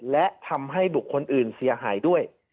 และทำให้บุคคลอื่นเสียหายด้วย